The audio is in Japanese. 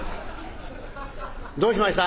どうしました？」。